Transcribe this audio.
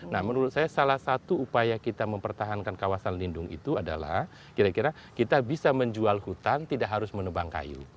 nah menurut saya salah satu upaya kita mempertahankan kawasan lindung itu adalah kira kira kita bisa menjual hutan tidak harus menebang kayu